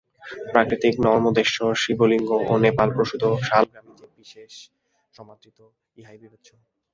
প্রাকৃতিক নর্মদেশ্বর শিবলিঙ্গ ও নেপালপ্রসূত শালগ্রামই যে বিশেষ সমাদৃত, ইহাও বিবেচ্য।